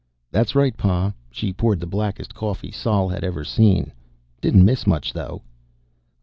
"That's right, Pa." She poured the blackest coffee Sol had ever seen. "Didn't miss much, though."